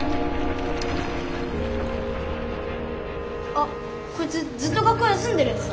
あっこいつずっと学校休んでるやつだ。